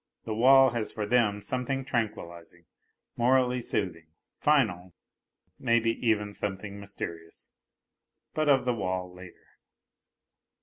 The wall has for them something tranquillizing, morally soothing, final maybe even something mysterious ... but of the wall later.)